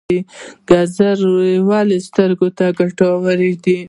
ګازرې ولې سترګو ته ګټورې دي؟